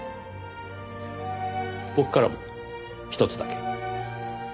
僕からもひとつだけ。